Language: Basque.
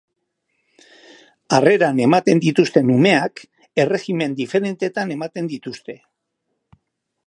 Harreran ematen dituzten umeak, errejimen diferentetan ematen dituzte.